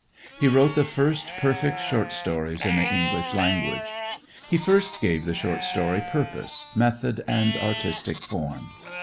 He wrote the first perfect short stories in the English language. He first gave the short story purpose, method, and artistic form.